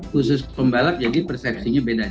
khusus pembalap jadi persepsinya beda